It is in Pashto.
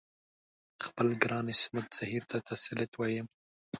خپل ګران عصمت زهیر ته تسلیت وایم.